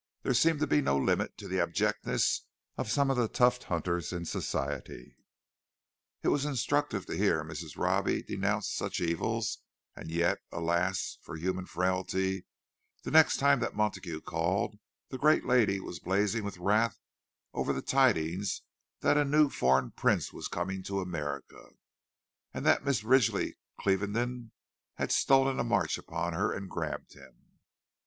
There seemed to be no limit to the abjectness of some of the tuft hunters in Society. It was instructive to hear Mrs. Robbie denounce such evils; and yet—alas for human frailty—the next time that Montague called, the great lady was blazing with wrath over the tidings that a new foreign prince was coming to America, and that Mrs. Ridgely Clieveden had stolen a march upon her and grabbed him.